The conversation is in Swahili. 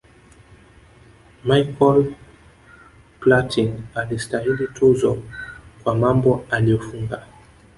michael platin alistahili tuzo kwa mambo aliyofunga